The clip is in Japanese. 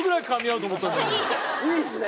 いいっすね！